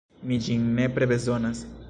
Mi ĝin nepre bezonas.